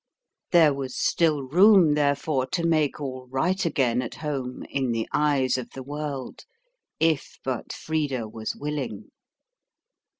There was still room, therefore, to make all right again at home in the eyes of the world if but Frida was willing.